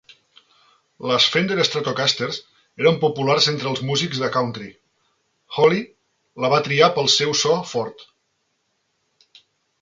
Les Fender Stratocasters eren populars entre els músics de country; Holly la va triar pel seu so fort.